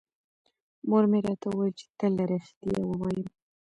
مور مې راته وویل چې تل رښتیا ووایم.